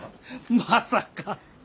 まさか！